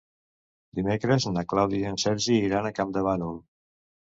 Dimecres na Clàudia i en Sergi iran a Campdevànol.